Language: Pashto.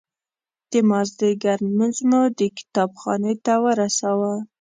د مازدیګر لمونځ مو د کتاب خانې ته ورساوه.